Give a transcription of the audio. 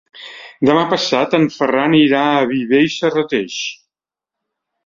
Demà passat en Ferran irà a Viver i Serrateix.